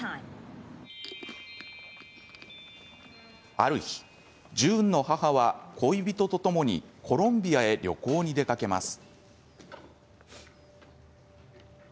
ある日、ジューンの母は恋人とともに、コロンビアへ旅行に出かけます。